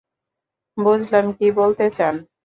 বুঝলাম কী বলতে চান।